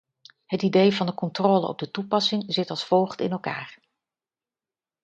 Het idee van de controle op de toepassing zit als volgt in elkaar.